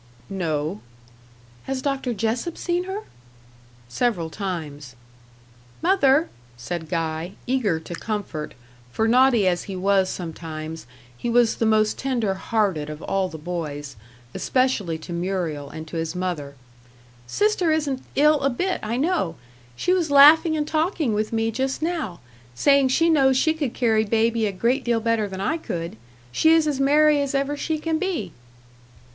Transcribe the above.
"No." "Has Dr. Jessop seen her?" "Several times." "Mother," said Guy, eager to comfort for naughty as he was sometimes, he was the most tender hearted of all the boys, especially to Muriel and to his mother, "sister isn't ill a bit, I know. She was laughing and talking with me just now saying she knows she could carry baby a great deal better than I could. She is as merry as ever she can be."